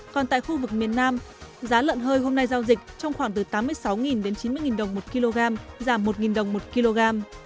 còn tại khu vực miền nam giá lợn hơi hôm nay giao dịch trong khoảng từ tám mươi sáu đến chín mươi đồng một kg giảm một đồng một kg